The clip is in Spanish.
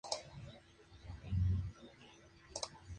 El campeón de Segunda División fue el Levante.